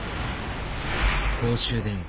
公衆電話。